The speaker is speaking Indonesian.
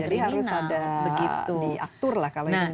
jadi harus ada diaktur lah kalau ingin jadi